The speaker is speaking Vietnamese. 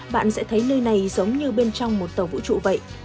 bạn sẽ thấy nơi này giống như bên trong một tàu vũ trụ vậy